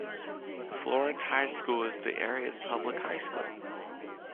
Florence High School is the area's public high school.